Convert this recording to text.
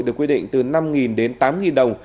được quyết định từ năm đến tám đồng